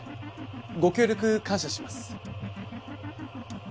ご協力感謝します。